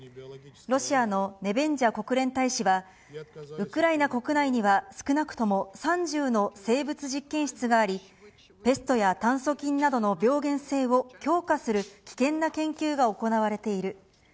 ロシアのネベンジャ国連大使は、ウクライナ国内には少なくとも３０の生物実験室があり、ペストや炭そ菌などの病原性を強化する危険な研究が行われている。